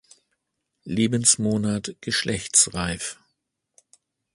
Lebensmonat geschlechtsreif.